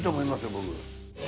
僕。